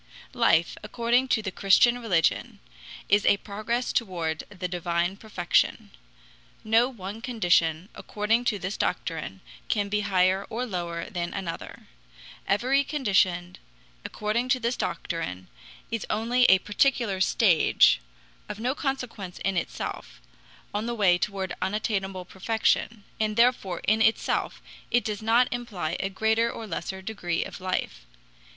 Life, according to the Christian religion, is a progress toward the divine perfection. No one condition, according to this doctrine, can be higher or lower than another. Every condition, according to this doctrine, is only a particular stage, of no consequence in itself, on the way toward unattainable perfection, and therefore in itself it does not imply a greater or lesser degree of life.